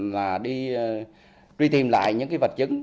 và đi truy tìm lại những vật chứng